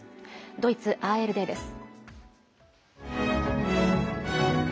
ドイツＡＲＤです。